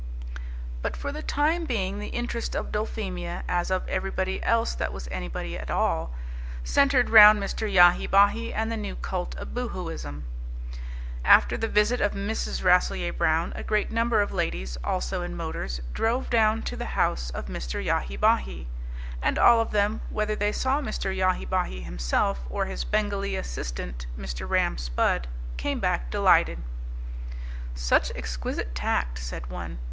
But for the time being the interest of Dulphemia, as of everybody else that was anybody at all, centred round Mr. Yahi Bahi and the new cult of Boohooism. After the visit of Mrs. Rasselyer Brown a great number of ladies, also in motors, drove down to the house of Mr. Yahi Bahi. And all of them, whether they saw Mr. Yahi Bahi himself or his Bengalee assistant, Mr. Ram Spudd, came back delighted. "Such exquisite tact!" said one.